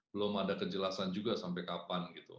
belum ada kejelasan juga sampai kapan gitu